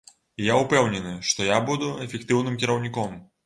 І я ўпэўнены, што я буду эфектыўным кіраўніком.